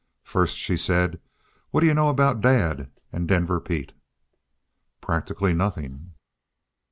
"First," she said, "what d'you know about Dad and Denver Pete?" "Practically nothing."